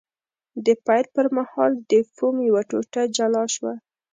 د پیل پر مهال د فوم یوه ټوټه جلا شوه.